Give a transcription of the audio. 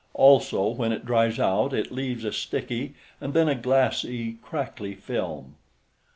Also, when it dries out it leaves a sticky, and then a glassy, crackly film.